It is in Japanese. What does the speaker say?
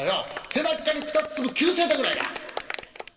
背中に２粒灸据えたぐらいだ。